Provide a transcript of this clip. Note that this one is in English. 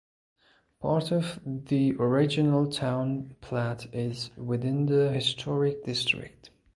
Part of the original town plat is within the historic district.